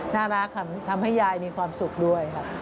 น่ารักค่ะทำให้ยายมีความสุขด้วยค่ะ